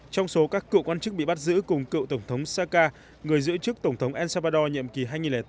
trong số các cựu quan chức bị bắt giữ cùng cựu tổng thống saca người giữ chức tổng thống el salvador nhiệm kỳ hai nghìn bốn hai nghìn chín